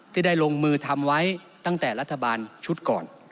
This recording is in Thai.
ที่ได้ลงมือทำไว้ตั้งแต่รัฐบาลชุดก่อน